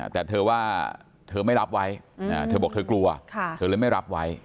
แต่เธอว่าเธอไม่รับไว้เธอบอกเธอกลัว